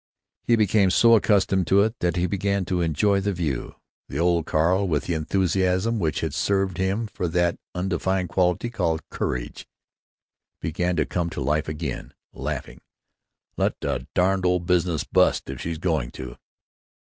He became so accustomed to it that he began to enjoy the view. The old Carl, with the enthusiasm which had served him for that undefined quality called "courage," began to come to life again, laughing, "Let the darned old business bust, if she's going to."